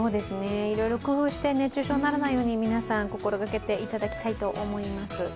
いろいろ工夫して熱中症にならないように皆さん心がけていただきたいと思います。